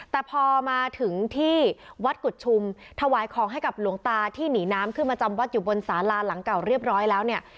แต่พอมาถึงที่วัดกุฎชุมถวายของให้กับหลวงตาที่หนีน้ำขึ้นมาจำวัดอยู่บนสาราหลังเก่าเรียบร้อยแล้วเนี่ย